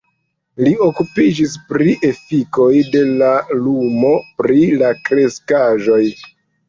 Li okupiĝis pri efikoj de la lumo pri la kreskaĵoj.